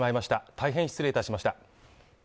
大変失礼いたしました。